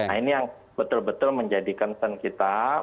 nah ini yang betul betul menjadi hal yang sangat penting